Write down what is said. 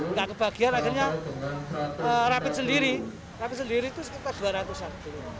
nggak kebahagiaan akhirnya rapit sendiri rapit sendiri itu sekitar dua ratus an